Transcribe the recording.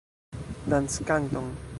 Danckanton!